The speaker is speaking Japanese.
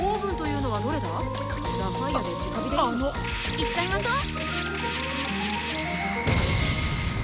いっちゃいましょう！